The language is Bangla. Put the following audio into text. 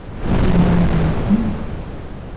তিনি হার মানিয়েছেন।